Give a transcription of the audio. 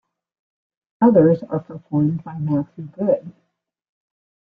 Others are performed by Matthew Good.